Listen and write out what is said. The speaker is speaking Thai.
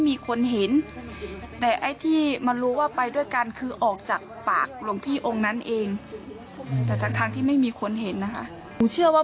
มีคนเห็นแต่ไอ้ที่มารู้ว่าไปด้วยกันคือออกจากปากหลวงพี่องค์นั้นเองแต่ทั้งที่ไม่มีคนเห็นนะคะหนูเชื่อว่า